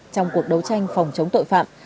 trong cuộc đấu tranh phòng chống tội phạm